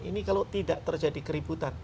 ini kalau tidak terjadi keributan